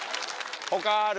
他ある？